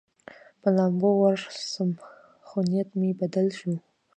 په لامبو ورسوم، خو نیت مې بدل شو.